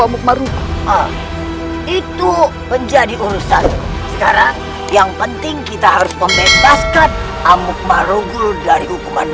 amukmaru itu menjadi urusan sekarang yang penting kita harus membebaskan amukmaru guru dari hukuman